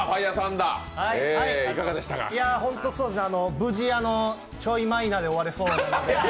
無事、ちょいマイナで終われそうなので。